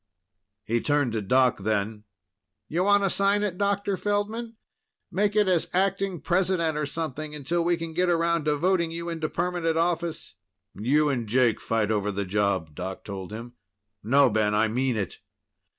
He turned to Doc then. "You want to sign it, Dr. Feldman? Make it as acting president or something, until we can get around to voting you into permanent office." "You and Jake fight over the job," Doc told him. "No, Ben, I mean it."